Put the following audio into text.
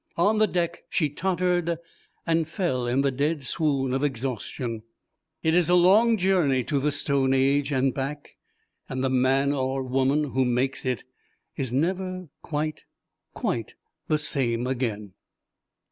On the deck she tottered and fell in the dead swoon of exhaustion. It is a long journey to the Stone Age and back and the man or woman who makes it is never quite, quite the same again.